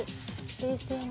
冷静に。